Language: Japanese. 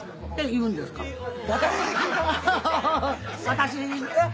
私？